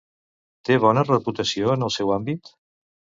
Té bona reputació en el seu àmbit?